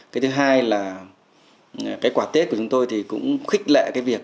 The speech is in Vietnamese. cái thứ hai là cái quả tết của chúng tôi thì cũng khích lệ cái việc